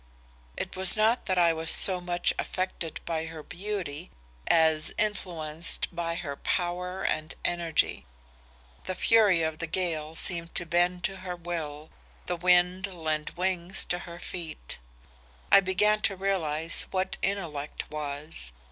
It was not that I was so much affected by her beauty as influenced by her power and energy. The fury of the gale seemed to bend to her will, the wind lend wings to her feet. I began to realize what intellect was.